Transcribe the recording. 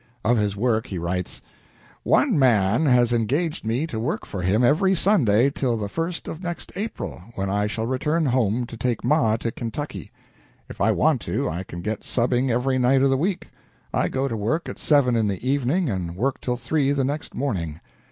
Of his work he writes: "One man has engaged me to work for him every Sunday till the first of next April, when I shall return home to take Ma to Ky .... If I want to, I can get subbing every night of the week. I go to work at seven in the evening and work till three the next morning.